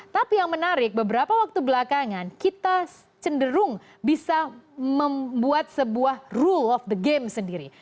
tapi yang menarik beberapa waktu belakangan kita cenderung bisa membuat sebuah rule of the game sendiri